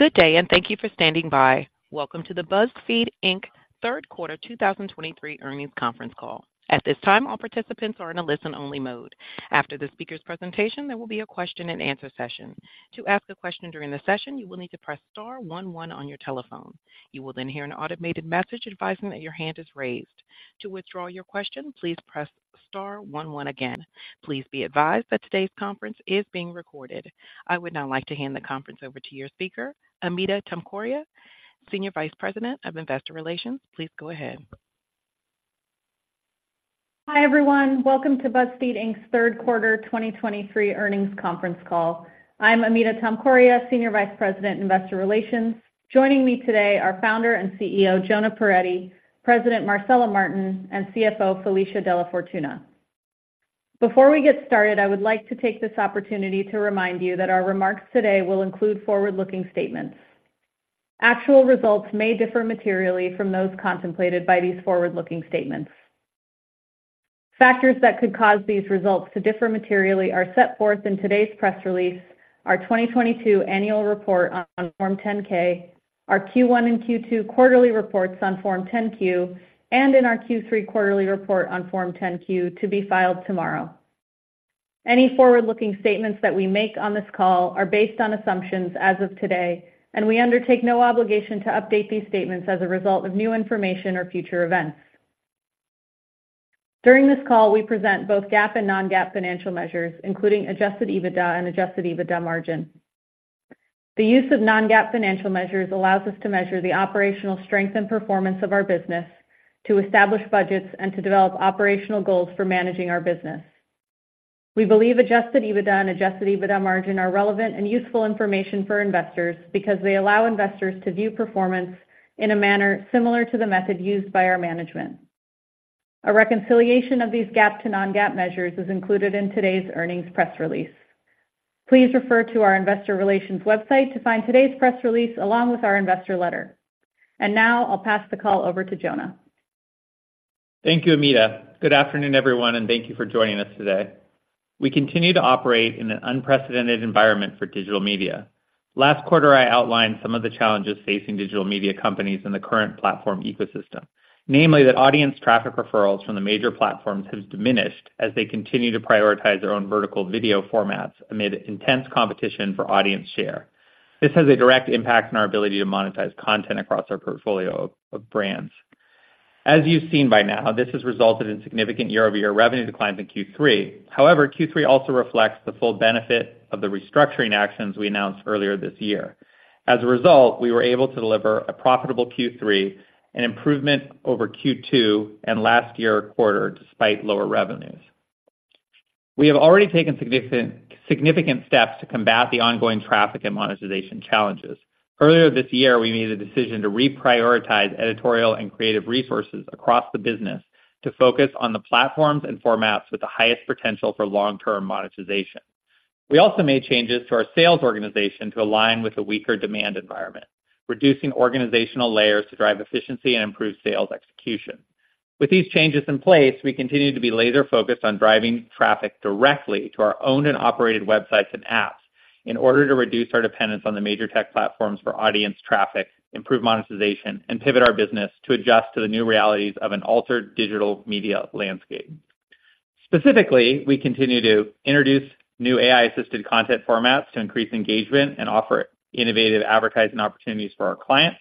Good day, and thank you for standing by. Welcome to the BuzzFeed, Inc. Q3 2023 Earnings Conference Call. At this time, all participants are in a listen-only mode. After the speaker's presentation, there will be a question-and-answer session. To ask a question during the session, you will need to press star one one on your telephone. You will then hear an automated message advising that your hand is raised. To withdraw your question, please press star one one again. Please be advised that today's conference is being recorded. I would now like to hand the conference over to your speaker, Amita Tomkoria, Senior Vice President of Investor Relations. Please go ahead. Hi, everyone. Welcome to BuzzFeed, Inc.'s Q3 2023 Earnings Conference Call. I'm Amita Tomkoria, Senior Vice President, Investor Relations. Joining me today are Founder and CEO, Jonah Peretti, President Marcela Martin, and CFO Felicia DellaFortuna. Before we get started, I would like to take this opportunity to remind you that our remarks today will include forward-looking statements. Actual results may differ materially from those contemplated by these forward-looking statements. Factors that could cause these results to differ materially are set forth in today's press release, our 2022 annual report on Form 10-K, our Q1 and Q2 quarterly reports on Form 10-Q, and in our Q3 quarterly report on Form 10-Q to be filed tomorrow. Any forward-looking statements that we make on this call are based on assumptions as of today, and we undertake no obligation to update these statements as a result of new information or future events. During this call, we present both GAAP and non-GAAP financial measures, including Adjusted EBITDA and Adjusted EBITDA margin. The use of non-GAAP financial measures allows us to measure the operational strength and performance of our business, to establish budgets and to develop operational goals for managing our business. We believe Adjusted EBITDA and Adjusted EBITDA margin are relevant and useful information for investors because they allow investors to view performance in a manner similar to the method used by our management. A reconciliation of these GAAP to non-GAAP measures is included in today's earnings press release. Please refer to our investor relations website to find today's press release, along with our investor letter. Now I'll pass the call over to Jonah. Thank you, Amita. Good afternoon, everyone, and thank you for joining us today. We continue to operate in an unprecedented environment for digital media. Last quarter, I outlined some of the challenges facing digital media companies in the current platform ecosystem. Namely, that audience traffic referrals from the major platforms have diminished as they continue to prioritize their own vertical video formats amid intense competition for audience share. This has a direct impact on our ability to monetize content across our portfolio of brands. As you've seen by now, this has resulted in significant year-over-year revenue declines in Q3. However, Q3 also reflects the full benefit of the restructuring actions we announced earlier this year. As a result, we were able to deliver a profitable Q3, an improvement over Q2 and last year quarter, despite lower revenues. We have already taken significant, significant steps to combat the ongoing traffic and monetization challenges. Earlier this year, we made the decision to reprioritize editorial and creative resources across the business to focus on the platforms and formats with the highest potential for long-term monetization. We also made changes to our sales organization to align with the weaker demand environment, reducing organizational layers to drive efficiency and improve sales execution. With these changes in place, we continue to be laser-focused on driving traffic directly to our owned and operated websites and apps in order to reduce our dependence on the major tech platforms for audience traffic, improve monetization, and pivot our business to adjust to the new realities of an altered digital media landscape. Specifically, we continue to introduce new AI-assisted content formats to increase engagement and offer innovative advertising opportunities for our clients,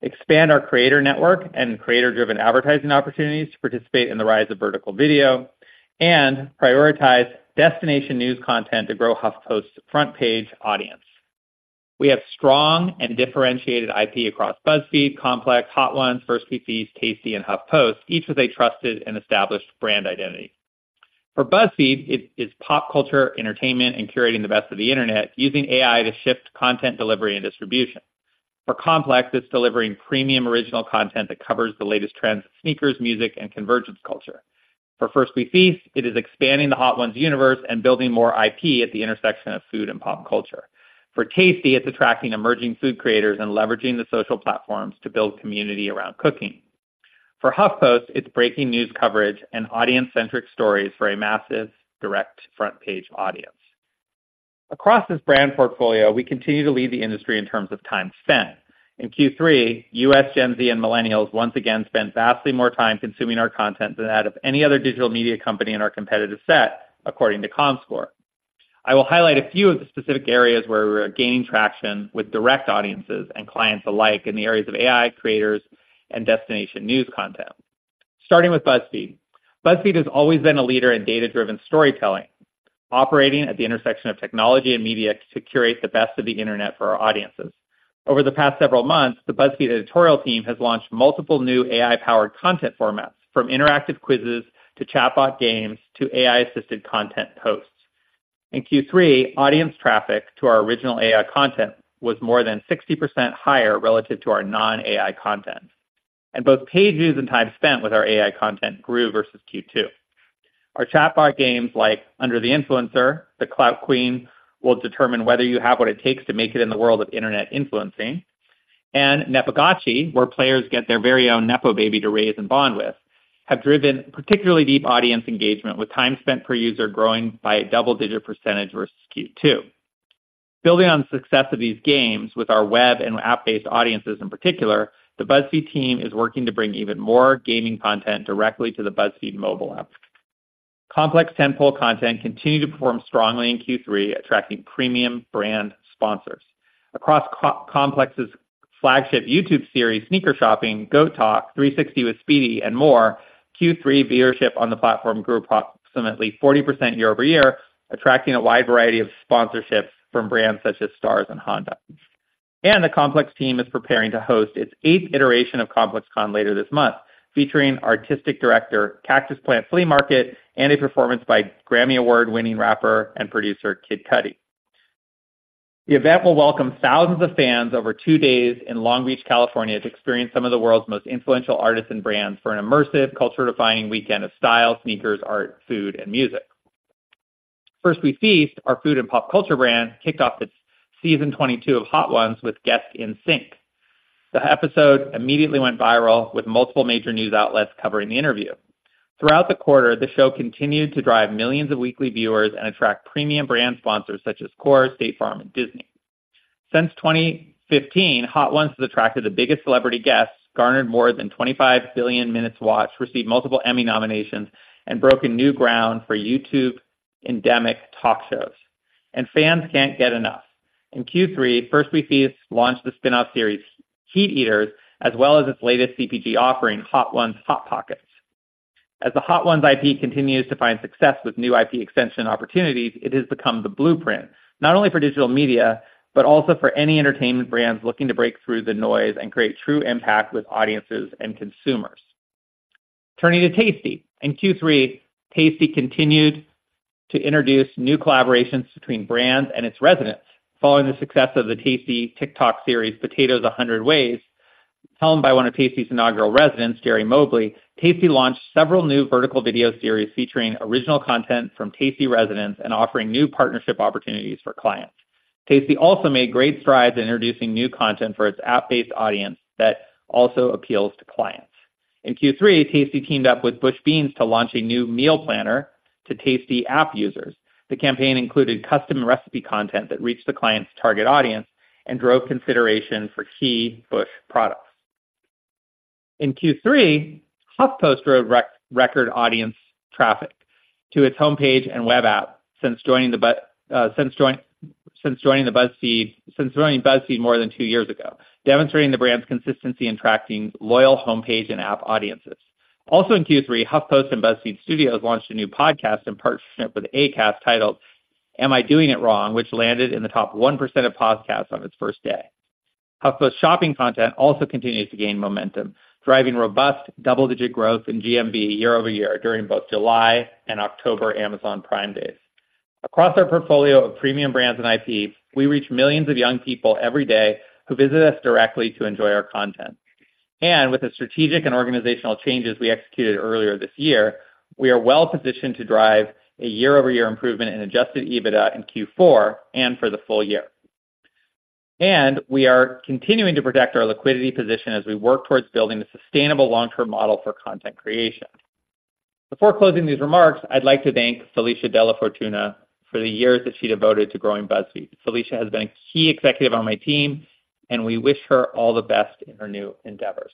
expand our creator network and creator-driven advertising opportunities to participate in the rise of vertical video, and prioritize destination news content to grow HuffPost's front page audience. We have strong and differentiated IP across BuzzFeed, Complex, Hot Ones, First We Feast, Tasty, and HuffPost, each with a trusted and established brand identity. For BuzzFeed, it is pop culture, entertainment, and curating the best of the internet, using AI to shift content delivery and distribution. For Complex, it's delivering premium original content that covers the latest trends in sneakers, music, and convergence culture. For First We Feast, it is expanding the Hot Ones universe and building more IP at the intersection of food and pop culture. For Tasty, it's attracting emerging food creators and leveraging the social platforms to build community around cooking. For HuffPost, it's breaking news coverage and audience-centric stories for a massive direct front-page audience. Across this brand portfolio, we continue to lead the industry in terms of time spent. In Q3, U.S. Gen Z and millennials once again spent vastly more time consuming our content than that of any other digital media company in our competitive set, according to Comscore. I will highlight a few of the specific areas where we are gaining traction with direct audiences and clients alike in the areas of AI, creators, and destination news content. Starting with BuzzFeed. BuzzFeed has always been a leader in data-driven storytelling, operating at the intersection of technology and media to curate the best of the internet for our audiences. Over the past several months, the BuzzFeed editorial team has launched multiple new AI-powered content formats, from interactive quizzes to chatbot games to AI-assisted content posts. In Q3, audience traffic to our original AI content was more than 60% higher relative to our non-AI content, and both page views and time spent with our AI content grew versus Q2. Our chatbot games, like Under the Influencer, The Clout Queen, will determine whether you have what it takes to make it in the world of internet influencing... and Nepogotchi, where players get their very own Nepo baby to raise and bond with, have driven particularly deep audience engagement, with time spent per user growing by a double-digit percentage versus Q2. Building on the success of these games with our web and app-based audiences in particular, the BuzzFeed team is working to bring even more gaming content directly to the BuzzFeed mobile app. Complex tentpole content continued to perform strongly in Q3, attracting premium brand sponsors. Across Complex's flagship YouTube series, Sneaker Shopping, GOAT Talk, 360 with Speedy, and more, Q3 viewership on the platform grew approximately 40% year-over-year, attracting a wide variety of sponsorships from brands such as Stars and Honda. The Complex team is preparing to host its eighth iteration of ComplexCon later this month, featuring artistic director, Cactus Plant Flea Market, and a performance by Grammy Award-winning rapper and producer, Kid Cudi. The event will welcome thousands of fans over two days in Long Beach, California, to experience some of the world's most influential artists and brands for an immersive, culture-defining weekend of style, sneakers, art, food, and music. First We Feast, our food and pop culture brand, kicked off its season 22 of Hot Ones with guest NSYNC. The episode immediately went viral, with multiple major news outlets covering the interview. Throughout the quarter, the show continued to drive millions of weekly viewers and attract premium brand sponsors such as Core, State Farm, and Disney. Since 2015, Hot Ones has attracted the biggest celebrity guests, garnered more than 25 billion minutes watched, received multiple Emmy nominations, and broken new ground for YouTube endemic talk shows. Fans can't get enough. In Q3, First We Feast launched the spinoff series, Heat Eaters, as well as its latest CPG offering, Hot Ones Hot Pockets. As the Hot Ones IP continues to find success with new IP extension opportunities, it has become the blueprint not only for digital media, but also for any entertainment brands looking to break through the noise and create true impact with audiences and consumers. Turning to Tasty. In Q3, Tasty continued to introduce new collaborations between brands and its residents. Following the success of the Tasty TikTok series, Potatoes a Hundred Ways, helmed by one of Tasty's inaugural residents, Gary Mobley, Tasty launched several new vertical video series featuring original content from Tasty residents and offering new partnership opportunities for clients. Tasty also made great strides in introducing new content for its app-based audience that also appeals to clients. In Q3, Tasty teamed up with Bush's Beans to launch a new meal planner to Tasty app users. The campaign included custom recipe content that reached the client's target audience and drove consideration for key Bush's products. In Q3, HuffPost drove record audience traffic to its homepage and web app since joining BuzzFeed more than two years ago, demonstrating the brand's consistency in attracting loyal homepage and app audiences. Also in Q3, HuffPost and BuzzFeed Studios launched a new podcast in partnership with Acast titled Am I Doing It Wrong? which landed in the top 1% of podcasts on its first day. HuffPost's shopping content also continues to gain momentum, driving robust double-digit growth in GMV year-over-year during both July and October Amazon Prime days. Across our portfolio of premium brands and IP, we reach millions of young people every day who visit us directly to enjoy our content. With the strategic and organizational changes we executed earlier this year, we are well-positioned to drive a year-over-year improvement in Adjusted EBITDA in Q4 and for the full year. We are continuing to protect our liquidity position as we work towards building a sustainable long-term model for content creation. Before closing these remarks, I'd like to thank Felicia DellaFortuna for the years that she devoted to growing BuzzFeed. Felicia has been a key executive on my team, and we wish her all the best in her new endeavors.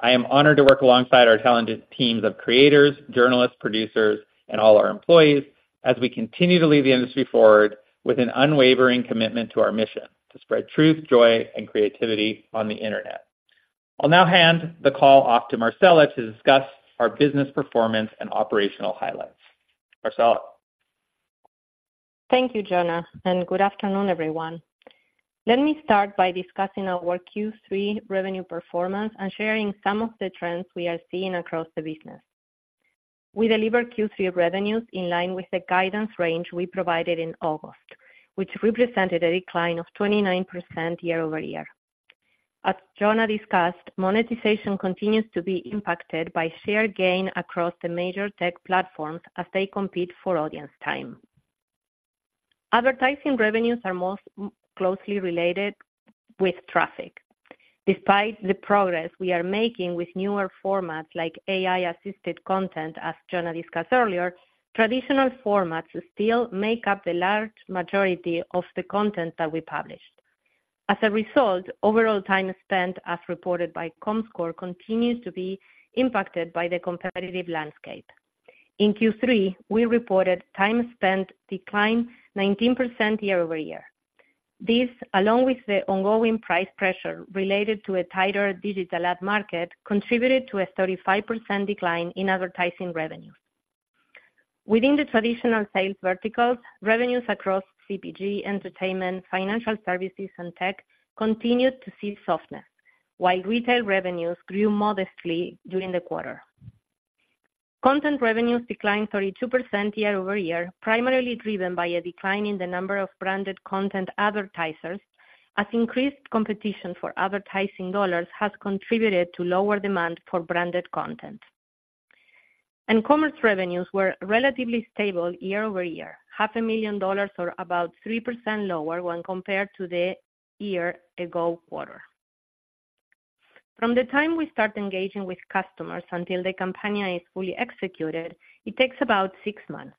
I am honored to work alongside our talented teams of creators, journalists, producers, and all our employees as we continue to lead the industry forward with an unwavering commitment to our mission: to spread truth, joy, and creativity on the internet. I'll now hand the call off to Marcela to discuss our business performance and operational highlights. Marcela? Thank you, Jonah, and good afternoon, everyone. Let me start by discussing our Q3 revenue performance and sharing some of the trends we are seeing across the business. We delivered Q3 revenues in line with the guidance range we provided in August, which represented a decline of 29% year-over-year. As Jonah discussed, monetization continues to be impacted by shared gain across the major tech platforms as they compete for audience time. Advertising revenues are most closely related with traffic. Despite the progress we are making with newer formats like AI-assisted content, as Jonah discussed earlier, traditional formats still make up the large majority of the content that we published. As a result, overall time spent, as reported by Comscore, continues to be impacted by the competitive landscape. In Q3, we reported time spent declined 19% year-over-year. This, along with the ongoing price pressure related to a tighter digital ad market, contributed to a 35% decline in advertising revenues. Within the traditional sales verticals, revenues across CPG, entertainment, financial services, and tech continued to see softness, while retail revenues grew modestly during the quarter. Content revenues declined 32% year-over-year, primarily driven by a decline in the number of branded content advertisers, as increased competition for advertising dollars has contributed to lower demand for branded content, and commerce revenues were relatively stable year-over-year, half a million dollars or about 3% lower when compared to the year-ago quarter. From the time we start engaging with customers until the campaign is fully executed, it takes about 6 months.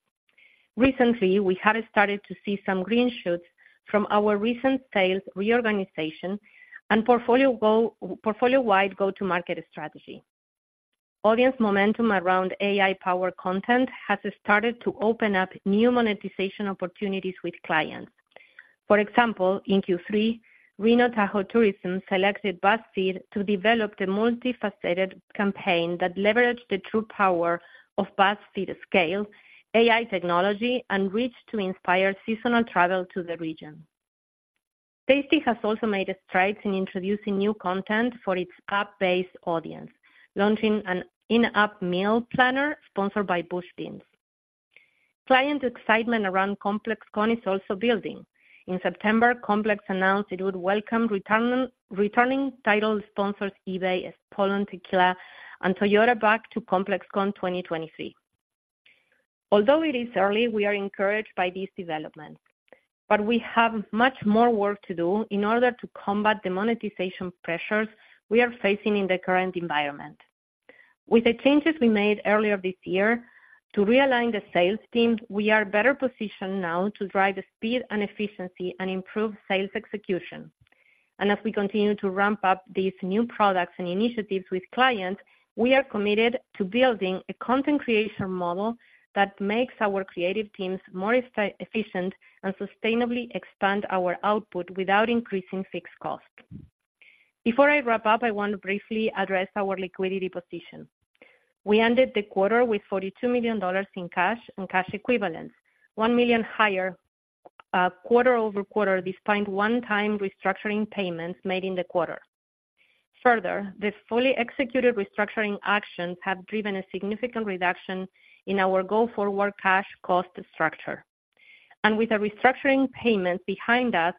Recently, we have started to see some green shoots from our recent sales reorganization and portfolio-wide go-to-market strategy. Audience momentum around AI-powered content has started to open up new monetization opportunities with clients. For example, in Q3, Reno Tahoe Tourism selected BuzzFeed to develop the multifaceted campaign that leveraged the true power of BuzzFeed scale, AI technology, and reach to inspire seasonal travel to the region. Tasty has also made strides in introducing new content for its app-based audience, launching an in-app meal planner sponsored by Bush's Beans. Client excitement around ComplexCon is also building. In September, Complex announced it would welcome returning title sponsors, eBay, Espolòn Tequila, and Toyota back to ComplexCon 2023. Although it is early, we are encouraged by these developments, but we have much more work to do in order to combat the monetization pressures we are facing in the current environment. With the changes we made earlier this year to realign the sales team, we are better positioned now to drive the speed and efficiency and improve sales execution. And as we continue to ramp up these new products and initiatives with clients, we are committed to building a content creation model that makes our creative teams more efficient and sustainably expand our output without increasing fixed costs. Before I wrap up, I want to briefly address our liquidity position. We ended the quarter with $42 million in cash and cash equivalents, $1 million higher quarter-over-quarter, despite one-time restructuring payments made in the quarter. Further, the fully executed restructuring actions have driven a significant reduction in our go-forward cash cost structure. With the restructuring payment behind us,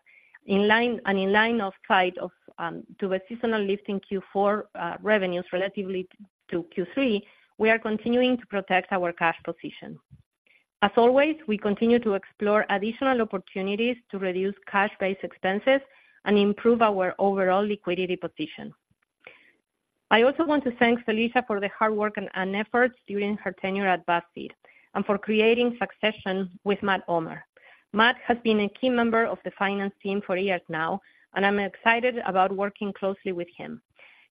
in line, and in line of sight of, to a seasonal lift in Q4, revenues relatively to Q3, we are continuing to protect our cash position. As always, we continue to explore additional opportunities to reduce cash-based expenses and improve our overall liquidity position. I also want to thank Felicia for the hard work and, and efforts during her tenure at BuzzFeed and for creating succession with Matt Omer. Matt has been a key member of the finance team for years now, and I'm excited about working closely with him.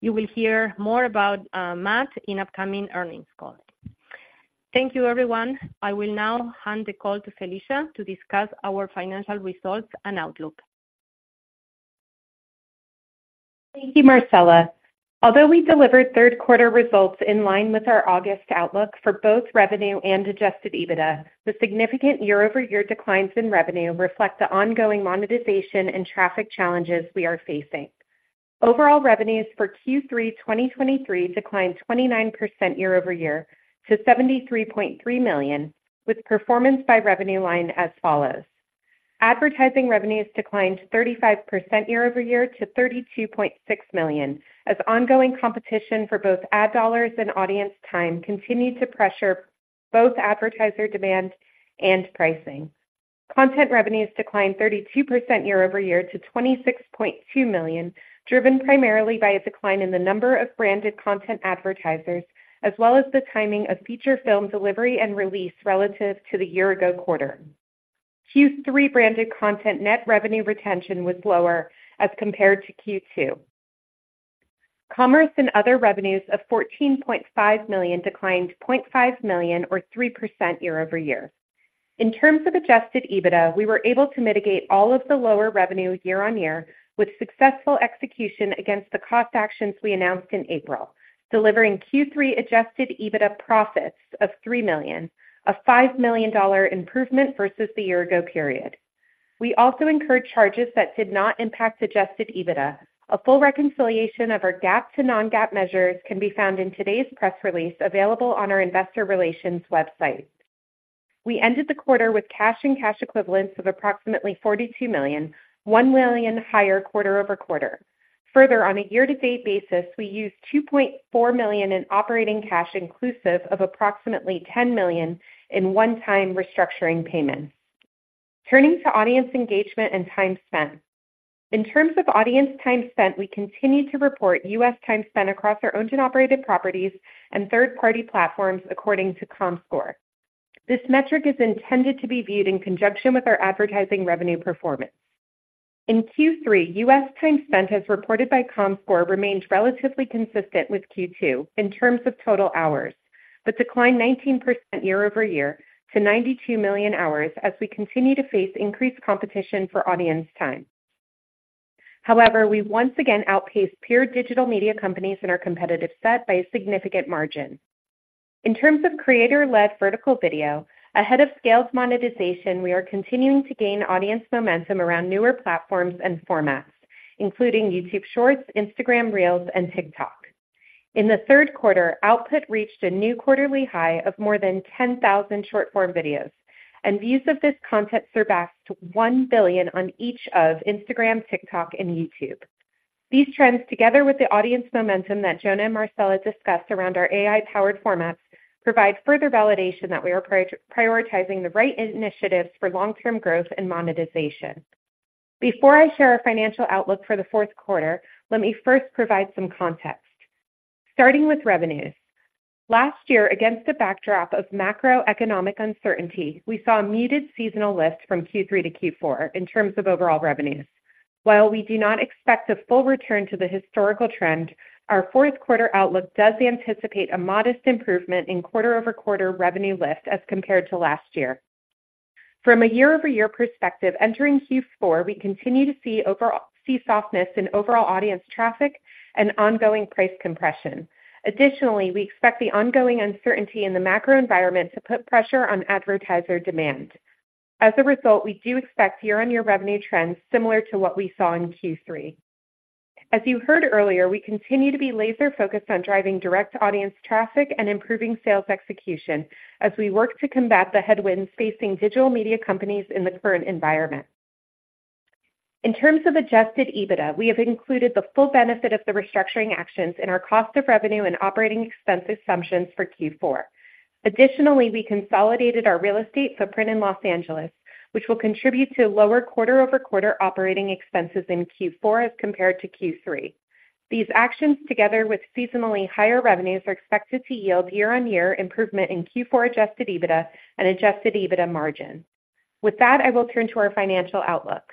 You will hear more about, Matt, in upcoming earnings calls. Thank you, everyone. I will now hand the call to Felicia to discuss our financial results and outlook. Thank you, Marcela. Although we delivered Q3 results in line with our August outlook for both revenue and adjusted EBITDA, the significant year-over-year declines in revenue reflect the ongoing monetization and traffic challenges we are facing. Overall revenues for Q3 2023 declined 29% year-over-year to $73.3 million, with performance by revenue line as follows: Advertising revenues declined 35% year-over-year to $32.6 million, as ongoing competition for both ad dollars and audience time continued to pressure both advertiser demand and pricing. Content revenues declined 32% year-over-year to $26.2 million, driven primarily by a decline in the number of branded content advertisers, as well as the timing of feature film delivery and release relative to the year-ago quarter. Q3 branded content net revenue retention was lower as compared to Q2. Commerce and other revenues of $14.5 million declined $0.5 million, or 3% year-over-year. In terms of Adjusted EBITDA, we were able to mitigate all of the lower revenue year-on-year with successful execution against the cost actions we announced in April, delivering Q3 Adjusted EBITDA profit of $3 million, a $5 million improvement versus the year-ago period. We also incurred charges that did not impact Adjusted EBITDA. A full reconciliation of our GAAP to non-GAAP measures can be found in today's press release, available on our investor relations website. We ended the quarter with cash and cash equivalents of approximately $42 million, $1 million higher quarter-over-quarter. Further, on a year-to-date basis, we used $2.4 million in operating cash, inclusive of approximately $10 million in one-time restructuring payments. Turning to audience engagement and time spent. In terms of audience time spent, we continue to report U.S. time spent across our owned and operated properties and third-party platforms according to Comscore. This metric is intended to be viewed in conjunction with our advertising revenue performance. In Q3, U.S. time spent, as reported by Comscore, remained relatively consistent with Q2 in terms of total hours, but declined 19% year-over-year to 92 million hours as we continue to face increased competition for audience time. However, we once again outpaced pure digital media companies in our competitive set by a significant margin. In terms of creator-led vertical video, ahead of scales monetization, we are continuing to gain audience momentum around newer platforms and formats, including YouTube Shorts, Instagram Reels, and TikTok. In the Q3, output reached a new quarterly high of more than 10,000 short-form videos, and views of this content surpassed 1 billion on each of Instagram, TikTok, and YouTube. These trends, together with the audience momentum that Jonah and Marcela discussed around our AI-powered formats, provide further validation that we are prioritizing the right initiatives for long-term growth and monetization. Before I share our financial outlook for the fourth quarter, let me first provide some context. Starting with revenues. Last year, against a backdrop of macroeconomic uncertainty, we saw a needed seasonal lift from Q3 to Q4 in terms of overall revenues. While we do not expect a full return to the historical trend, our fourth quarter outlook does anticipate a modest improvement in quarter-over-quarter revenue lift as compared to last year. From a year-over-year perspective, entering Q4, we continue to see overall softness in overall audience traffic and ongoing price compression. Additionally, we expect the ongoing uncertainty in the macro environment to put pressure on advertiser demand. As a result, we do expect year-on-year revenue trends similar to what we saw in Q3. As you heard earlier, we continue to be laser-focused on driving direct audience traffic and improving sales execution as we work to combat the headwinds facing digital media companies in the current environment. In terms of Adjusted EBITDA, we have included the full benefit of the restructuring actions in our cost of revenue and operating expense assumptions for Q4. Additionally, we consolidated our real estate footprint in Los Angeles, which will contribute to lower quarter-over-quarter operating expenses in Q4 as compared to Q3. These actions, together with seasonally higher revenues, are expected to yield year-on-year improvement in Q4 adjusted EBITDA and adjusted EBITDA margin. With that, I will turn to our financial outlook.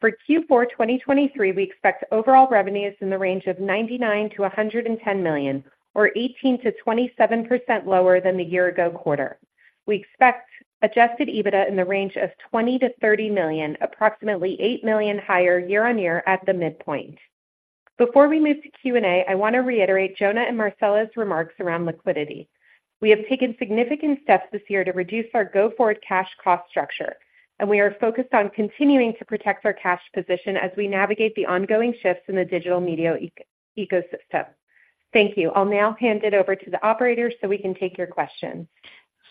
For Q4 2023, we expect overall revenues in the range of $99 million to $110 million, or 18% to 27% lower than the year-ago quarter. We expect adjusted EBITDA in the range of $20 million to $30 million, approximately $8 million higher year-on-year at the midpoint. Before we move to Q&A, I want to reiterate Jonah and Marcela's remarks around liquidity. We have taken significant steps this year to reduce our go-forward cash cost structure, and we are focused on continuing to protect our cash position as we navigate the ongoing shifts in the digital media ecosystem. Thank you. I'll now hand it over to the operator so we can take your questions.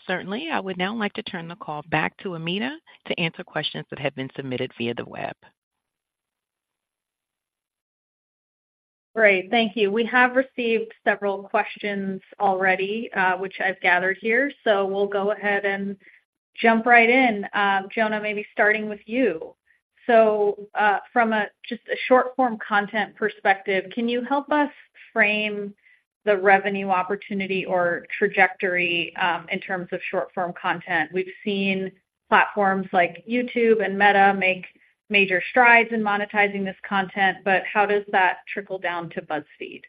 Certainly. I would now like to turn the call back to Amita to answer questions that have been submitted via the web. Great, thank you. We have received several questions already, which I've gathered here, so we'll go ahead and jump right in. Jonah, maybe starting with you. So, from just a short-form content perspective, can you help us frame the revenue opportunity or trajectory, in terms of short-form content? We've seen platforms like YouTube and Meta make major strides in monetizing this content, but how does that trickle down to BuzzFeed?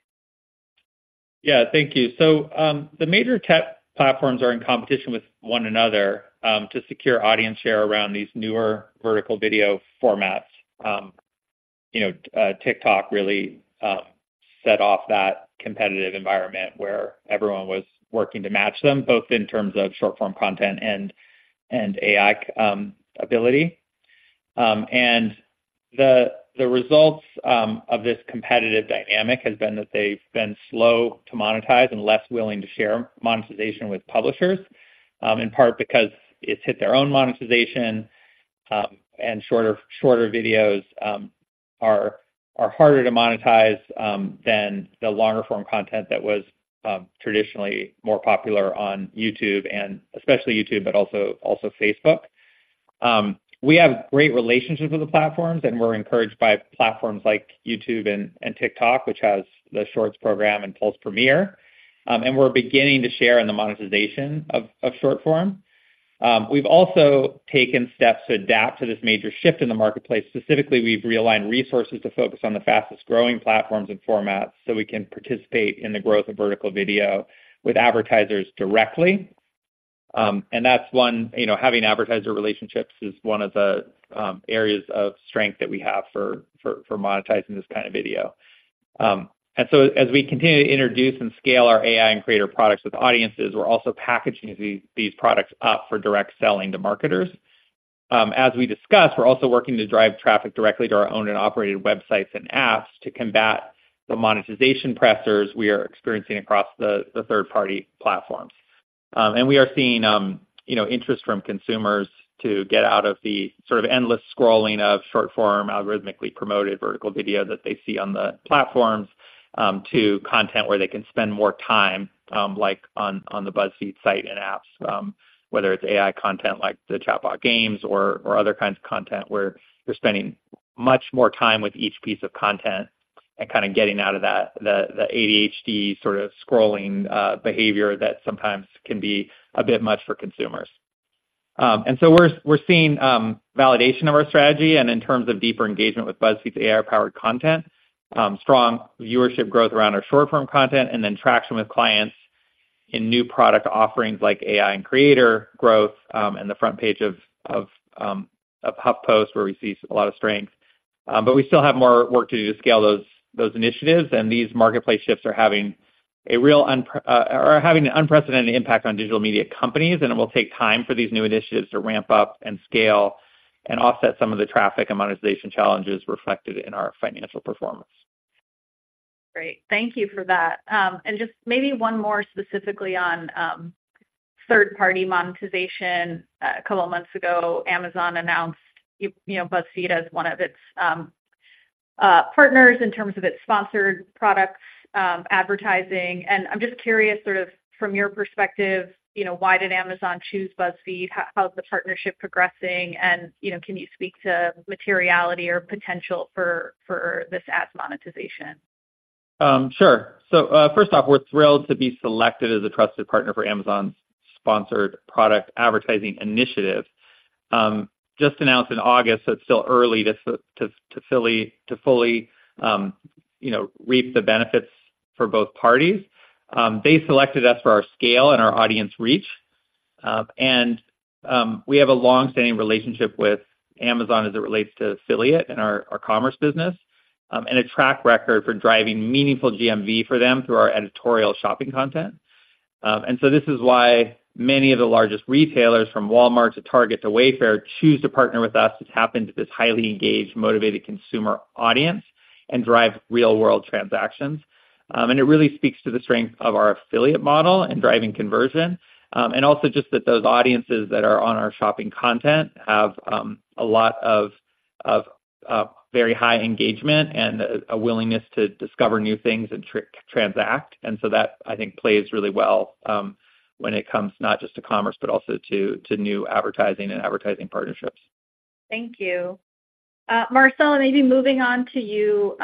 Yeah, thank you. So, the major tech platforms are in competition with one another, to secure audience share around these newer vertical video formats. You know, TikTok really set off that competitive environment where everyone was working to match them, both in terms of short-form content and AI ability. And the results of this competitive dynamic has been that they've been slow to monetize and less willing to share monetization with publishers, in part because it's hit their own monetization, and shorter videos are harder to monetize than the longer form content that was traditionally more popular on YouTube and especially YouTube, but also Facebook. We have great relationships with the platforms, and we're encouraged by platforms like YouTube and TikTok, which has the Shorts program and Pulse Premiere. And we're beginning to share in the monetization of short form. We've also taken steps to adapt to this major shift in the marketplace. Specifically, we've realigned resources to focus on the fastest-growing platforms and formats, so we can participate in the growth of vertical video with advertisers directly. And that's one. You know, having advertiser relationships is one of the areas of strength that we have for monetizing this kind of video. And so as we continue to introduce and scale our AI and creator products with audiences, we're also packaging these products up for direct selling to marketers. As we discussed, we're also working to drive traffic directly to our owned and operated websites and apps to combat the monetization pressures we are experiencing across the third-party platforms. And we are seeing, you know, interest from consumers to get out of the sort of endless scrolling of short-form, algorithmically promoted vertical video that they see on the platforms, to content where they can spend more time, like on the BuzzFeed site and apps, whether it's AI content like the chatbot games or other kinds of content, where you're spending much more time with each piece of content and kind of getting out of that the ADHD sort of scrolling behavior that sometimes can be a bit much for consumers. And so we're seeing validation of our strategy, and in terms of deeper engagement with BuzzFeed's AI-powered content, strong viewership growth around our short-form content, and then traction with clients in new product offerings like AI and creator growth, and the front page of HuffPost, where we see a lot of strength. But we still have more work to do to scale those initiatives, and these marketplace shifts are having a real unprecedented impact on digital media companies, and it will take time for these new initiatives to ramp up and scale and offset some of the traffic and monetization challenges reflected in our financial performance.... Great. Thank you for that. And just maybe one more specifically on third-party monetization. A couple of months ago, Amazon announced, you know, BuzzFeed as one of its partners in terms of its sponsored products advertising. And I'm just curious, sort of from your perspective, you know, why did Amazon choose BuzzFeed? How's the partnership progressing? And, you know, can you speak to materiality or potential for this ads monetization? Sure. So, first off, we're thrilled to be selected as a trusted partner for Amazon's sponsored product advertising initiative. Just announced in August, so it's still early to fully, you know, reap the benefits for both parties. They selected us for our scale and our audience reach. And we have a long-standing relationship with Amazon as it relates to affiliate and our commerce business, and a track record for driving meaningful GMV for them through our editorial shopping content. And so this is why many of the largest retailers, from Walmart to Target to Wayfair, choose to partner with us. It happens to this highly engaged, motivated consumer audience and drive real-world transactions. And it really speaks to the strength of our affiliate model in driving conversion. And also just that those audiences that are on our shopping content have a lot of very high engagement and a willingness to discover new things and transact. And so that, I think, plays really well when it comes not just to commerce, but also to new advertising and advertising partnerships. Thank you. Marcela, maybe moving on to you.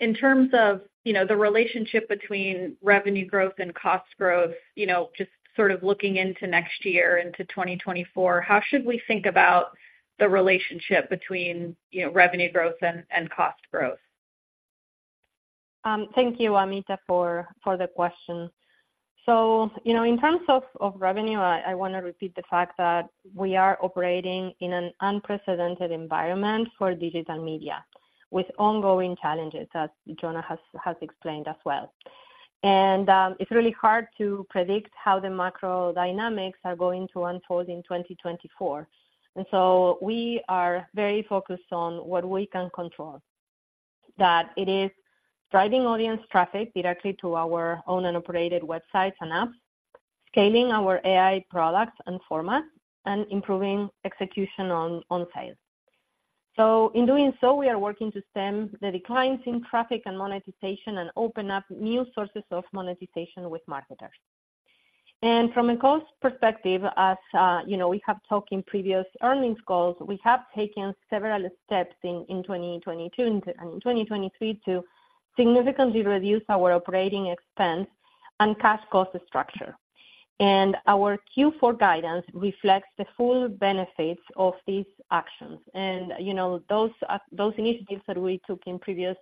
In terms of, you know, the relationship between revenue growth and cost growth, you know, just sort of looking into next year, into 2024, how should we think about the relationship between, you know, revenue growth and cost growth? Thank you, Amita, for the question. So, you know, in terms of revenue, I wanna repeat the fact that we are operating in an unprecedented environment for digital media, with ongoing challenges, as Jonah has explained as well. It's really hard to predict how the macro dynamics are going to unfold in 2024. So we are very focused on what we can control, that it is driving audience traffic directly to our owned and operated websites and apps, scaling our AI products and formats, and improving execution on sales. So in doing so, we are working to stem the declines in traffic and monetization and open up new sources of monetization with marketers. From a cost perspective, as you know, we have talked in previous earnings calls, we have taken several steps in 2022 and in 2023 to significantly reduce our operating expense and cash cost structure. Our Q4 guidance reflects the full benefits of these actions. You know, those initiatives that we took in previous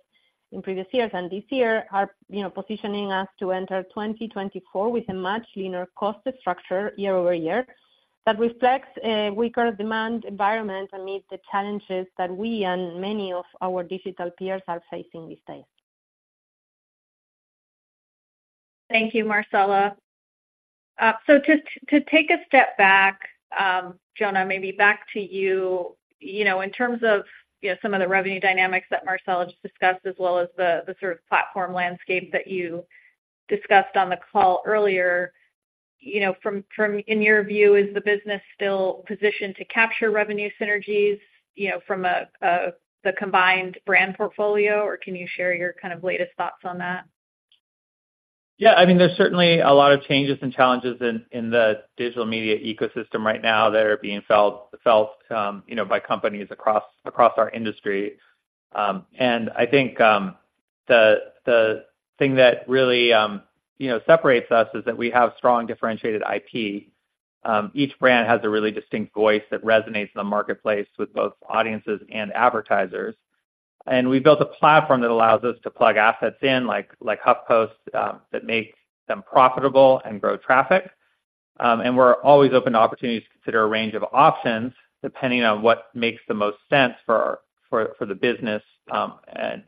years and this year are positioning us to enter 2024 with a much leaner cost structure year over year, that reflects a weaker demand environment amid the challenges that we and many of our digital peers are facing these days. Thank you, Marcela. So to take a step back, Jonah, maybe back to you. You know, in terms of, you know, some of the revenue dynamics that Marcela just discussed, as well as the sort of platform landscape that you discussed on the call earlier, you know, from in your view, is the business still positioned to capture revenue synergies, you know, from a, the combined brand portfolio? Or can you share your kind of latest thoughts on that? Yeah. I mean, there's certainly a lot of changes and challenges in the digital media ecosystem right now that are being felt, you know, by companies across our industry. And I think the thing that really separates us is that we have strong differentiated IP. Each brand has a really distinct voice that resonates in the marketplace with both audiences and advertisers. And we built a platform that allows us to plug assets in, like HuffPost, that make them profitable and grow traffic. And we're always open to opportunities to consider a range of options depending on what makes the most sense for the business, and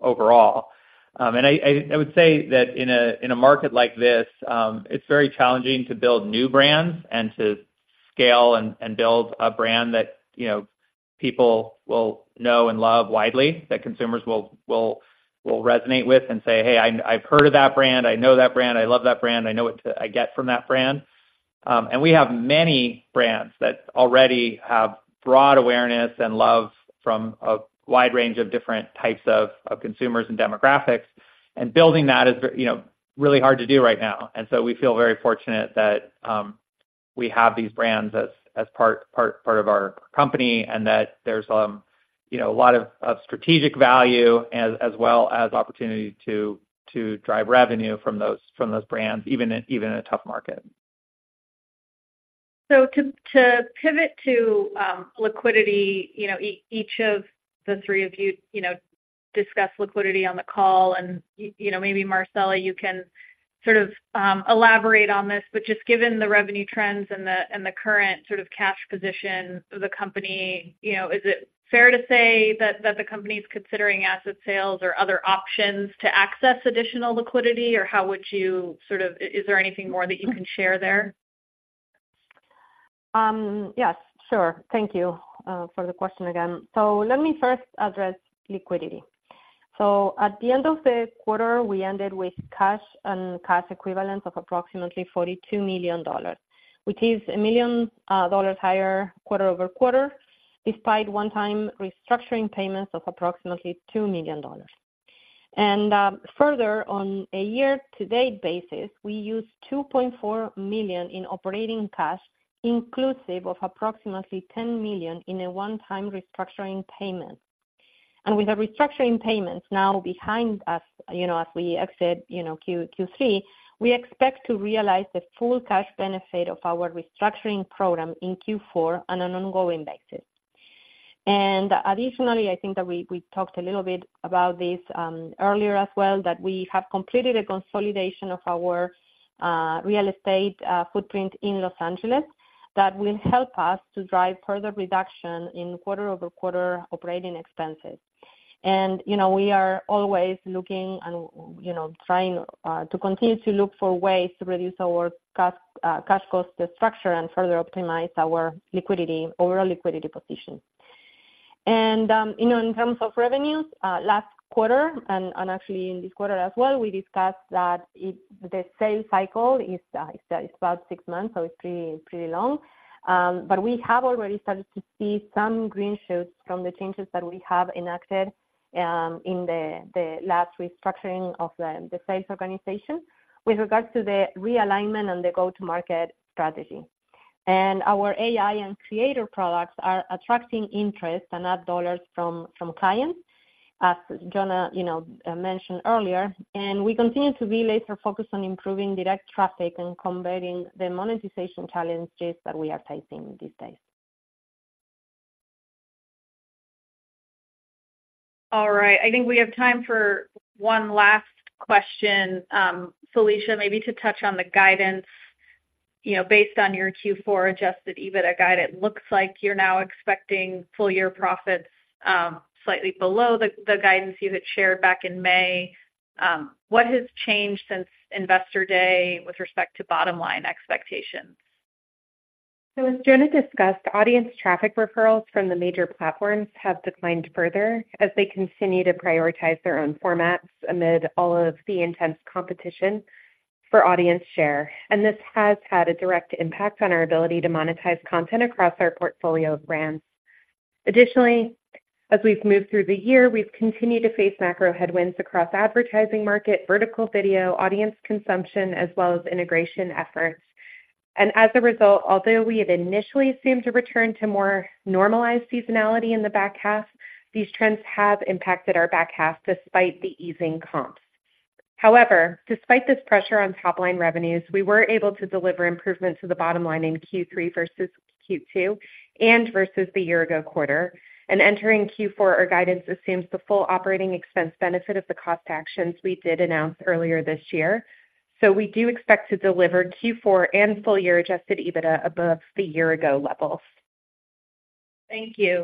overall. And I would say that in a market like this, it's very challenging to build new brands and to scale and build a brand that, you know, people will know and love widely, that consumers will resonate with and say, "Hey, I've heard of that brand. I know that brand. I love that brand. I know what to... I get from that brand." And we have many brands that already have broad awareness and love from a wide range of different types of consumers and demographics, and building that is very, you know, really hard to do right now. And so we feel very fortunate that we have these brands as part of our company, and that there's, you know, a lot of strategic value as well as opportunity to drive revenue from those brands, even in a tough market. So to pivot to liquidity, you know, each of the three of you, you know, discussed liquidity on the call. You know, maybe Marcela, you can sort of elaborate on this, but just given the revenue trends and the current sort of cash position of the company, you know, is it fair to say that the company is considering asset sales or other options to access additional liquidity? Or how would you sort of... is there anything more that you can share there?... Yes, sure. Thank you for the question again. So let me first address liquidity. So at the end of the quarter, we ended with cash and cash equivalents of approximately $42 million, which is $1 million higher quarter-over-quarter, despite one-time restructuring payments of approximately $2 million. And, further, on a year-to-date basis, we used $2.4 million in operating cash, inclusive of approximately $10 million in a one-time restructuring payment. And with the restructuring payments now behind us, you know, as we exit, you know, Q3, we expect to realize the full cash benefit of our restructuring program in Q4 on an ongoing basis. Additionally, I think that we talked a little bit about this earlier as well, that we have completed a consolidation of our real estate footprint in Los Angeles that will help us to drive further reduction in quarter-over-quarter operating expenses. And, you know, we are always looking and, you know, trying to continue to look for ways to reduce our cash cost structure and further optimize our liquidity, overall liquidity position. And, you know, in terms of revenues, last quarter and actually in this quarter as well, we discussed that the sales cycle is about six months, so it's pretty, pretty long. But we have already started to see some green shoots from the changes that we have enacted in the last restructuring of the sales organization with regards to the realignment and the go-to-market strategy. And our AI and creator products are attracting interest and ad dollars from clients, as Jonah, you know, mentioned earlier, and we continue to be laser-focused on improving direct traffic and combating the monetization challenges that we are facing these days. All right, I think we have time for one last question. Felicia, maybe to touch on the guidance. You know, based on your Q4 Adjusted EBITDA guide, it looks like you're now expecting full-year profits slightly below the guidance you had shared back in May. What has changed since Investor Day with respect to bottom-line expectations? As Jonah discussed, audience traffic referrals from the major platforms have declined further as they continue to prioritize their own formats amid all of the intense competition for audience share. This has had a direct impact on our ability to monetize content across our portfolio of brands. Additionally, as we've moved through the year, we've continued to face macro headwinds across advertising market, vertical video, audience consumption, as well as integration efforts. As a result, although we have initially seemed to return to more normalized seasonality in the back half, these trends have impacted our back half despite the easing comps. However, despite this pressure on top-line revenues, we were able to deliver improvements to the bottom line in Q3 versus Q2 and versus the year-ago quarter. Entering Q4, our guidance assumes the full operating expense benefit of the cost actions we did announce earlier this year. We do expect to deliver Q4 and full year Adjusted EBITDA above the year-ago level. Thank you.